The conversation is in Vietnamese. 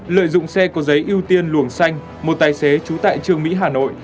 lợi dụng xe có giấy ưu tiên luồng xanh một tài xế trú tại trường mỹ hà nội